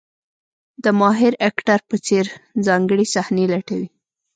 د ماهر اکټر په څېر ځانګړې صحنې لټوي.